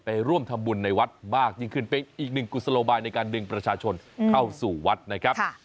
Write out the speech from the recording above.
ร่วมทำบุญในวัดมากยิ่งขึ้นเป็นอีกหนึ่งกุศโลบายในการดึงประชาชนเข้าสู่วัดนะครับ